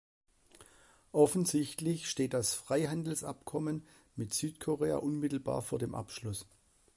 Offensichtlich steht das Freihandelsabkommen mit Südkorea unmittelbar vor dem Abschluss.